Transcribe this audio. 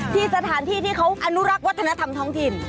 ที่สถานที่ที่เขาอนุรักษ์วัฒนธรรมท้องถิ่น